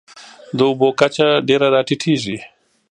د اوبو کچه ډېره راټیټېږي.